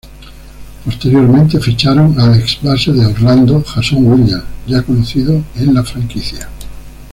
Posteriormente ficharon al ex-base de Orlando, Jason Williams ya conocido en la franquicia.